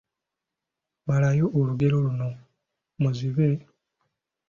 Malayo olugero luno: Muzibe, ……